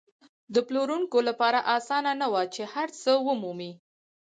د پلورونکو لپاره اسانه نه وه چې هر څه ومومي.